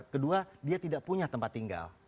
kedua dia tidak punya tempat tinggal